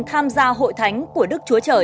tham gia hội thánh của đức chúa trời